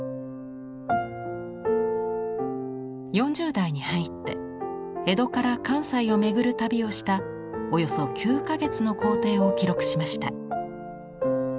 ４０代に入って江戸から関西を巡る旅をしたおよそ９か月の行程を記録しました。